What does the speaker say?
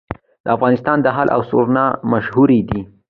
د افغانستان دهل او سرنا مشهور دي